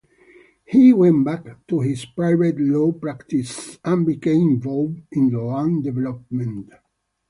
He went back to his private law practice and became involved in land development.